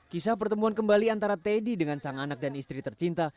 kisah pertemuan kembali antara teddy dengan sang anak dan istri tercinta